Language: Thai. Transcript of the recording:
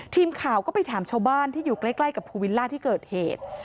ทีมข่าวก็ไปถามชาวบ้านที่อยู่ใกล้กับภูวิลล่าที่เกิดเหตุ